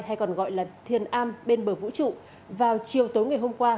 hay còn gọi là thiền a bên bờ vũ trụ vào chiều tối ngày hôm qua